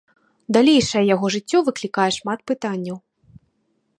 Далейшае яго жыццё выклікае шмат пытанняў.